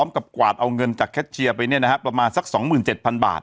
กับกวาดเอาเงินจากแคชเชียร์ไปเนี่ยนะครับประมาณสักสองหมื่นเจ็ดพันบาท